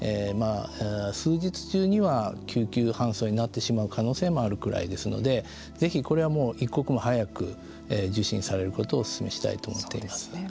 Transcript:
数日中には救急搬送になってしまう可能性があるぐらいですのでぜひ、これは一刻も早く受診されることをお勧めしたいと思っています。